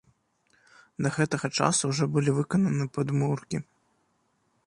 Да гэтага часу ўжо былі выкананы падмуркі.